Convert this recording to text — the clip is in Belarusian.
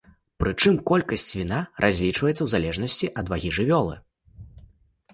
Прычым колькасць віна разлічваецца ў залежнасці ад вагі жывёлы.